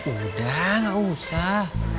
udah enggak usah